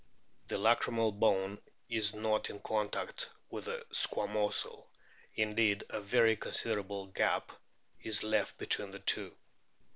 The lacrymal bone is not in contact with the squamosal ; indeed, a very considerable gap is left between the two.